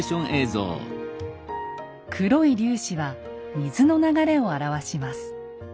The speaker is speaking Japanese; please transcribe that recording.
黒い粒子は水の流れを表します。